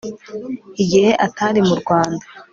igihe atari mu rwanda